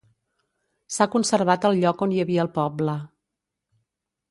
S'ha conservat el lloc on hi havia el poble.